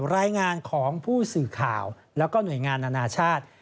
รายงานของผู้สื่อข่าวแล้วก็หน่วยงานนานาชาติ